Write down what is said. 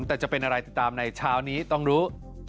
แต่จะเป็นอะไรติดตามในเช้านี้ต้องรู้